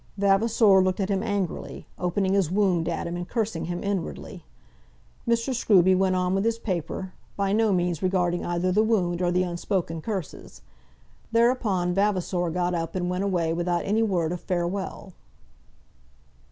Vavasor looked at him angrily, opening his wound at him and cursing him inwardly. Mr. Scruby went on with his paper, by no means regarding either the wound or the unspoken curses. Thereupon Vavasor got up and went away without any word of farewell.